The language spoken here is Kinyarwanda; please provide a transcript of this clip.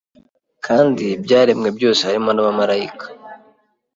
kandi byaremye byose harimo n'abamarayika